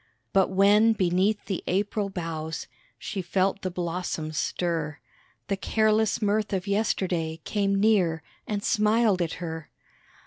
But when beneath the April boughs She felt the blossoms stir, The careless mirth of yesterday Came near and smiled at her.